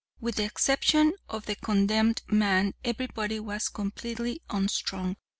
With the exception of the condemned man, everybody was completely unstrung.